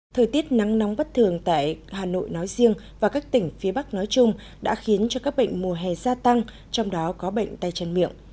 thời tiết nắng nóng bất thường tại hà nội nói riêng và các tỉnh phía bắc nói chung đã khiến cho các bệnh mùa hè gia tăng trong đó có bệnh tay chân miệng